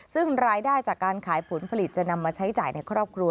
ซึ่งรายได้จากการขายผลผลิตจะนำมาใช้จ่ายในครอบครัว